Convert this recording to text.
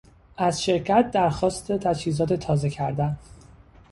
از شرکت درخواست تجهیزات تازه کردن